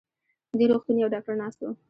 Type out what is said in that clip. دې روغتون يو ډاکټر ناست و.